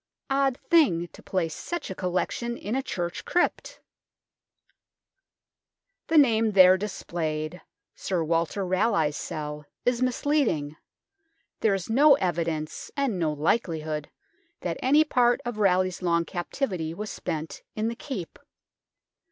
Odd thing to place such a collection hi a church crypt ! The name there displayed, " Sir Walter Raleigh's Cell," is misleading ; there is no evidence, and no likelihood, that any part of Raleigh's long captivity was spent in the Keep.